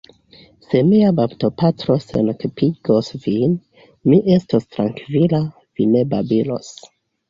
Se mia baptopatro senkapigos vin, mi estos trankvila, vi ne babilos.